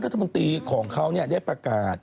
นายศาสตร์ธรรมดีของเขาเนี่ยได้ประกาศ